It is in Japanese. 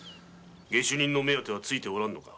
下手人の目当てはついておらぬのか？